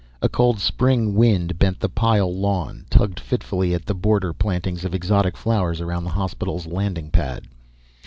A cold spring wind bent the pile lawn, tugged fitfully at the border plantings of exotic flowers around the hospital's landing pad.